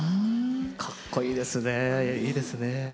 かっこいいですねいいですね。